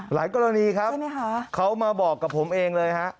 กรณีครับเขามาบอกกับผมเองเลยฮะ